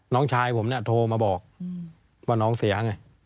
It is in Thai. น้องชายผมเนี่ยโทรมาบอกว่าน้องเสียไง